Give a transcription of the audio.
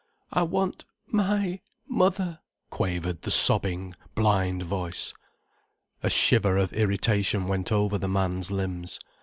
"I want—my—mother," quavered the sobbing, blind voice. A shiver of irritation went over the man's limbs.